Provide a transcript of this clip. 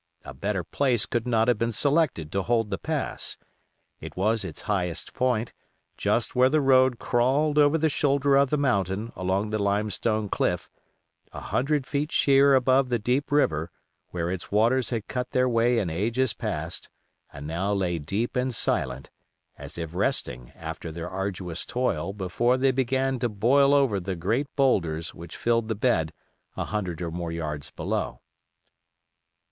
A better place could not have been selected to hold the pass. It was its highest point, just where the road crawled over the shoulder of the mountain along the limestone cliff, a hundred feet sheer above the deep river, where its waters had cut their way in ages past, and now lay deep and silent, as if resting after their arduous toil before they began to boil over the great bowlders which filled the bed a hundred or more yards below.